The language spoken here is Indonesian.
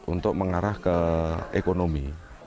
untuk mengarah ke ekonomi